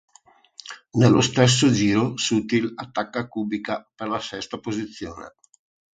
Nello stesso giro Sutil attacca Kubica per la sesta posizione.